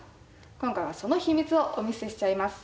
今回はその秘密をお見せしちゃいます。